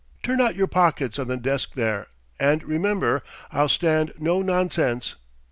Turn out your pockets on the desk there and, remember, I'll stand no nonsense!"